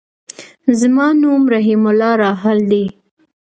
زما نوم رحيم الله راحل دی.